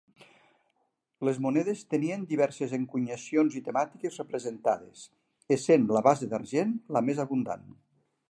Les monedes tenien diverses encunyacions i temàtiques representades, essent la base d'argent la més abundant.